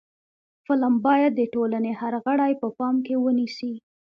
فلم باید د ټولنې هر غړی په پام کې ونیسي